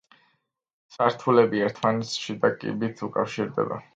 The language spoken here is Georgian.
სართულები ერთმანეთს შიდა კიბით უკავშირდება.